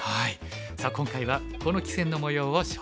さあ今回はこの棋戦のもようを紹介します。